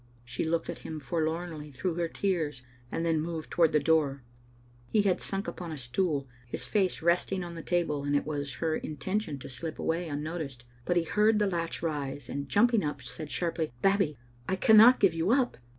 " She looked at him forlornly through her tears, and then moved toward the door. He had sunk upon a stool, his face resting on the table, and it was her in tention to slip away unnoticed. But he heard the latch rise, and jumping up, said sharply, " Babbie, I cannot give you up."